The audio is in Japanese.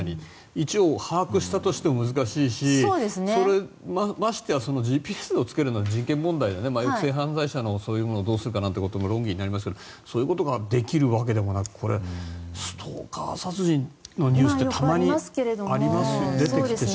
位置を把握したとしても難しいしましてやＧＰＳをつけるのは人権問題で、よく性犯罪者のそういうことをどうするか論議になりますがそういうことができるわけでもなくこれ、ストーカー殺人のニュースってたまにありますよね。